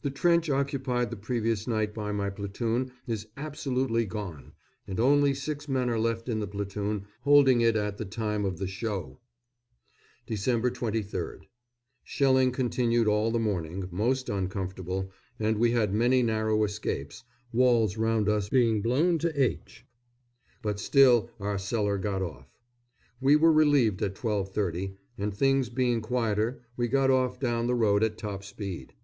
The trench occupied the previous night by my platoon is absolutely gone, and only six men are left in the platoon holding it at the time of the "show." Dec. 23rd. Shelling continued all the morning most uncomfortable, and we had many narrow escapes, walls round us being blown to h ; but still our cellar got off. We were relieved at 12.30, and, things being quieter, we got off down the road at top speed.